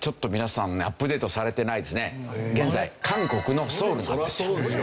現在韓国のソウルなんですよ。